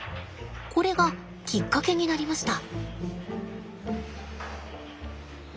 これがきっかけになりました。